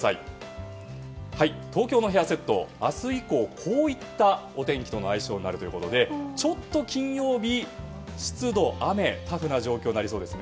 東京のヘアセット明日以降こういったお天気との相性になるということでちょっと金曜日、湿度、雨タフな状況になりそうです。